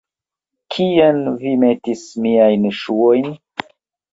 Kien vi metis miajn ŝuojn?